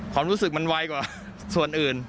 ความรู้สึกมันไวกว่าส่วนอื่น